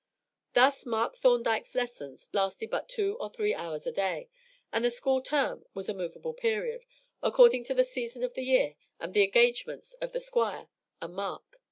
Thus Mark Thorndyke's lessons lasted but two or three hours a day, and the school term was a movable period, according to the season of the year and the engagements of the Squire and Mark.